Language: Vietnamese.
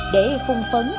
để phun phấn